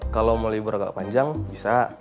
kalau mau libur agak panjang bisa